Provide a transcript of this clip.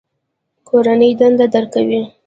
کورنۍ دنده درکوي؟